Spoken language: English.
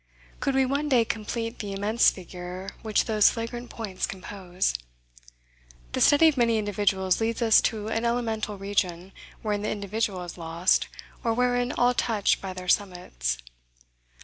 Could we one day complete the immense figure which these flagrant points compose! The study of many individuals leads us to an elemental region wherein the individual is lost, or wherein all touch by their summits.